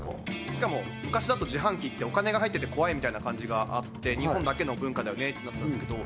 しかも昔だと自販機ってお金が入ってて怖いみたいな感じがあって日本だけの文化だよねってなってたんですけど